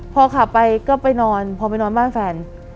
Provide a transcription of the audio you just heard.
พอขับไปก็ไปนอนพอไปนอนบ้านแฟน